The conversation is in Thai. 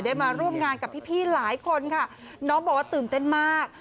มาร่วมงานกับพี่หลายคนค่ะน้องบอกว่าตื่นเต้นมาก